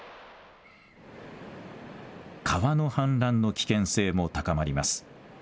川の氾濫の危険性も高まります。